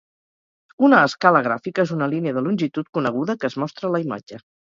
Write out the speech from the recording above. Una escala gràfica és una línia de longitud coneguda que es mostra a la imatge.